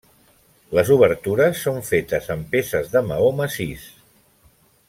Les obertures són fetes amb peces de maó massís.